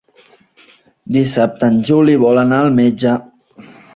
Dissabte en Juli vol anar al metge.